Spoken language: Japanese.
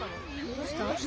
どうした？